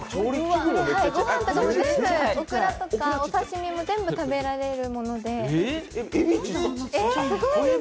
ご飯とかも全部、お刺身とかも全部食べられるもので。